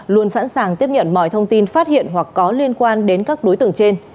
luôn sẵn sàng tiếp nhận mọi thông tin phát hiện hoặc có liên quan đến các đối tượng trên